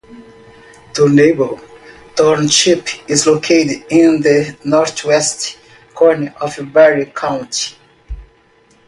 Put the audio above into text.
Thornapple Township is located in the northwest corner of Barry County.